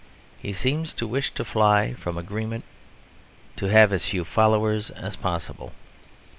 He seems to wish to fly from agreement, to have as few followers as possible.